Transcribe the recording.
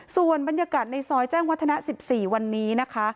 ส่วนบรรยากาศในซอยแจ้งวัฒนะ๑๔วันนี้นะคะ